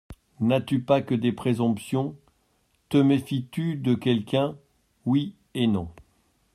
N'as-tu pas que des présomptions ? Te méfies-tu de quelqu'un ?, Oui et non.